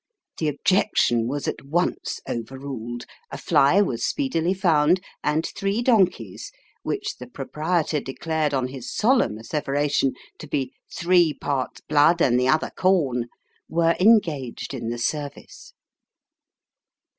The objection was at once over ruled. A fly was speedily found ; and three donkeys which the proprietor declared on his solemn asseveration to be " three parts blood, and the other corn " were engaged in the service.